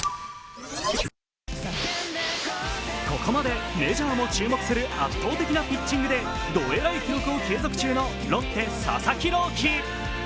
ここまでメジャーも注目する圧倒的なピッチングでどえらい記録を継続中のロッテ・佐々木朗希。